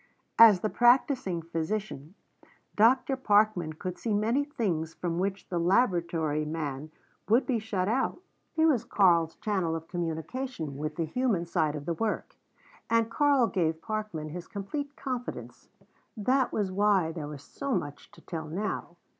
As the practicing physician, Dr. Parkman could see many things from which the laboratory man would be shut out. He was Karl's channel of communication with the human side of the work. And Karl gave Parkman his complete confidence; that was why there was so much to tell now.